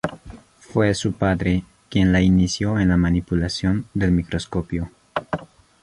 Fue su padre quien la inició en la manipulación del microscopio.